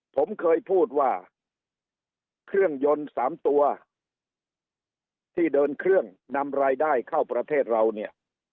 ผมเคยพูดว่าเครื่องยนต์๓ตัวที่เดินเครื่องนำรายได้เข้าประเทศเราเนี่ย